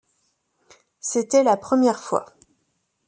C’était la première fois.